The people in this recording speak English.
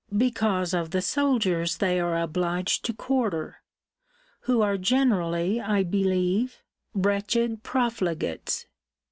Because of the soldiers they are obliged to quarter; who are generally, I believe, wretched profligates.